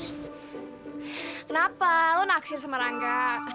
kenapa lo naksir sama rangga